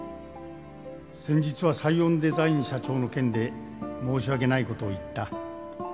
「先日はサイオンデザイン社長の件で申し訳ない事を言った」